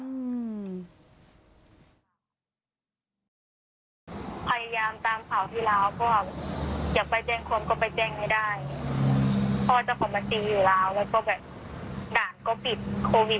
พยายามตามข่าวที่แล้วเพราะว่าอยากไปแจ้งคนก็ไปแจ้งไม่ได้